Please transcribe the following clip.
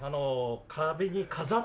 壁に飾って。